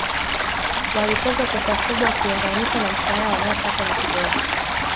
Walitozwa pesa kubwa ukilinganisha na mshahara wanaopata ni kidogo